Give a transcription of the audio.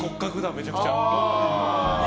めちゃくちゃ。